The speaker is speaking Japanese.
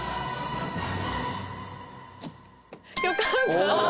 よかった！